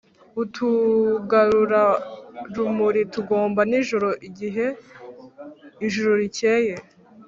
Utugarurarumuri tugomba n'ijoro igihe ijuru rikeye